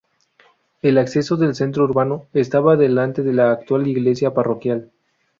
El acceso al centro urbano estaba delante de la actual iglesia parroquial.